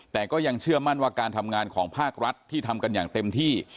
แต่ก็ยังเชื่อมั่นว่าการทำงานของภาครัฐที่ทำกันอย่างเต็มที่